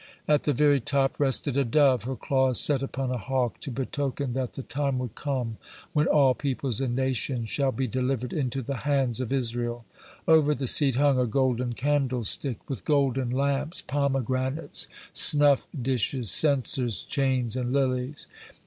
At the very top rested a dove, her claws set upon a hawk, to betoken that the time would come when all peoples and nations shall be delivered into the hands of Israel. Over the seat hung a golden candlestick, with golden lamps, pomegranates, snuff dishes, censers, chains, and lilies.